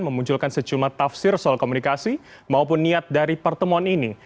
memunculkan secuma tafsir soal komunikasi maupun niat dari pertemuan ini